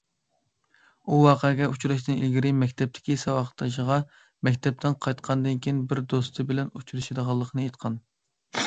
ئۇ ۋەقەگە ئۇچراشتىن ئىلگىرى مەكتەپتىكى ساۋاقدىشىغا مەكتەپتىن قايتقاندىن كېيىن بىر دوستى بىلەن ئۇچرىشىدىغانلىقىنى ئېيتقان.